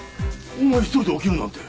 お前一人で起きるなんて。